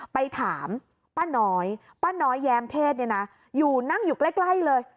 ไปถามป้าน้อยป้าน้อยแย้มเทศเนี่ยนะอยู่นั่งอยู่ใกล้เลย